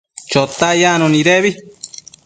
Chotac yacno nidebi